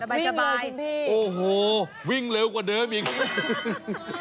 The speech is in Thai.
สบายพี่โอ้โหวิ่งเร็วกว่าเดิมอีก